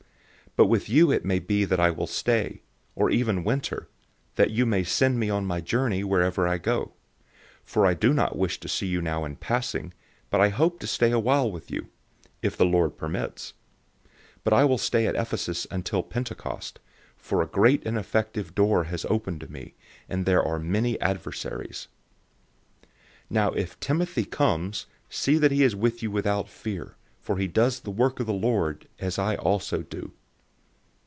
016:006 But with you it may be that I will stay, or even winter, that you may send me on my journey wherever I go. 016:007 For I do not wish to see you now in passing, but I hope to stay a while with you, if the Lord permits. 016:008 But I will stay at Ephesus until Pentecost, 016:009 for a great and effective door has opened to me, and there are many adversaries. 016:010 Now if Timothy comes, see that he is with you without fear, for he does the work of the Lord, as I also do.